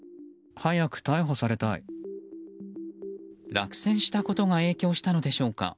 落選したことが影響したのでしょうか。